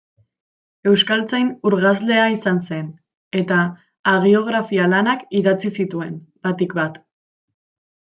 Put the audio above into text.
Euskaltzain urgazlea izan zen, eta hagiografia-lanak idatzi zituen, batik bat.